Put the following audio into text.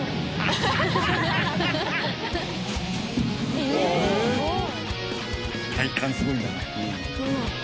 ええすごい。